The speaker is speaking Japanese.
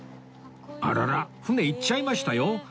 あらら船行っちゃいましたよ